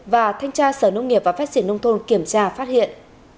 và thanh tra sở nông nghiệp và phát triển nông thôn kiểm tra phát hiện